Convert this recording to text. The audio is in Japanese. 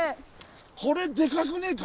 これでかくねえか。